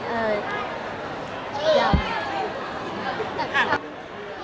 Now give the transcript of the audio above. เอ่อเอ่อยัง